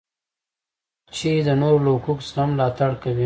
چې د نورو له حقوقو څخه هم ملاتړ کوي.